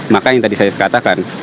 maka yang tadi saya katakan